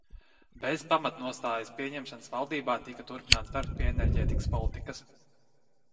Bez pamatnostājas pieņemšanas valdībā tika turpināts darbs pie enerģētikas politikas īstenošanas un pilnveidošanas.